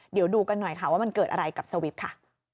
เดี๋ยวดูกันหน่อยค่ะว่ามันเกิดอะไรกับสวิตช์ค่ะ